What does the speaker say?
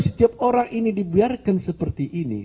setiap orang ini dibiarkan seperti ini